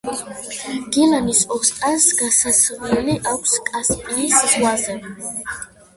გილანის ოსტანს გასასვლელი აქვს კასპიის ზღვაზე.